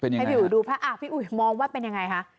ให้พี่อุ๋ยดูพี่อุ๋ยมองว่าเป็นยังไงคะ